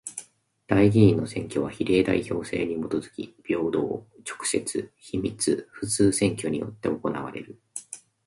代議員の選挙は比例代表制にもとづき平等、直接、秘密、普通選挙によって行われる。